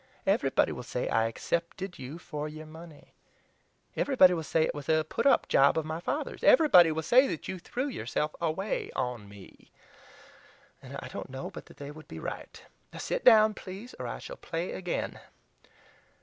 Everybody will say I accepted you for your money; everybody will say it was a put up job of my father's. Everybody will say that you threw yourself away on me. And I don't know but that they would be right. Sit down, please! or I shall play again.